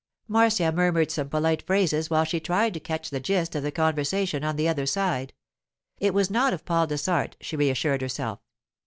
Marcia murmured some polite phrases while she tried to catch the gist of the conversation on the other side. It was not of Paul Dessart, she reassured herself.